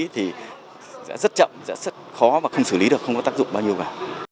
thì sẽ rất chậm sẽ rất khó mà không xử lý được không có tác dụng bao nhiêu cả